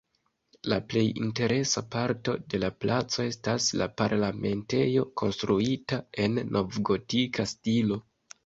La plej interesa parto de la placo estas la Parlamentejo konstruita en novgotika stilo.